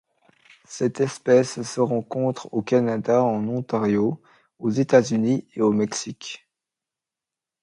Cette espèce se rencontre au Canada en Ontario, aux États-Unis et au Mexique.